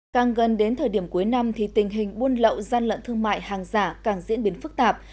càng gần đến thời điểm cuối năm thì tình hình buôn lậu gian lận thương mại hàng giả càng diễn biến phức tạp